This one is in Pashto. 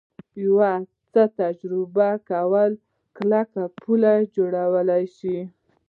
د یو څه تجربه کول کلکې پولې جوړولی شي